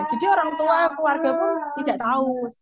jadi orang tua keluarga pun tidak tahu